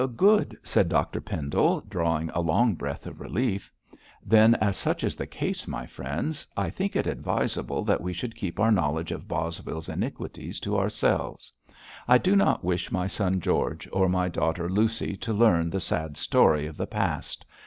'Good!' said Dr Pendle, drawing a long breath of relief. 'Then, as such is the case, my friends, I think it advisable that we should keep our knowledge of Bosvile's iniquities to ourselves. I do not wish my son George or my daughter Lucy to learn the sad story of the past.